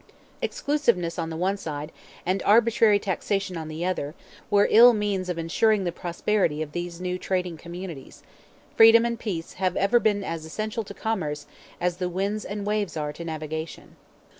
Exclusiveness on the one side, and arbitrary taxation on the other, were ill means of ensuring the prosperity of these new trading communities; Freedom and Peace have ever been as essential to commerce as the winds and waves are to navigation.